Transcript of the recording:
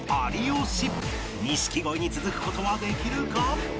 錦鯉に続く事はできるか？